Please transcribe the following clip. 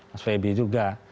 mas feby juga